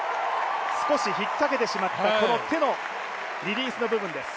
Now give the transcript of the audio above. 少し引っかけてしまった、この手のリリースの部分です。